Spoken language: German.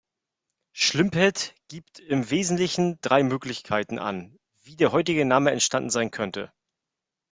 Schlimpert gibt im Wesentlichen drei Möglichkeiten an, wie der heutige Name entstanden sein könnte.